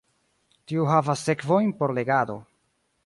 Tiu havas sekvojn por legado.